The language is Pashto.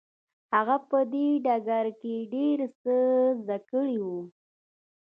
هغه په دې ډګر کې ډېر څه زده کړي وو.